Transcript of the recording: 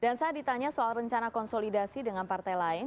dan saat ditanya soal rencana konsolidasi dengan partai lain